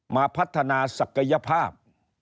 มาพัฒนาศักยภาพ